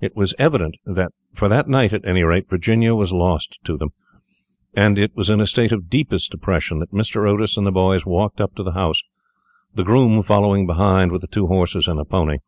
It was evident that, for that night at any rate, Virginia was lost to them; and it was in a state of the deepest depression that Mr. Otis and the boys walked up to the house, the groom following behind with the two horses and the pony.